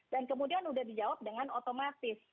dan kemudian sudah dijawab dengan otomatis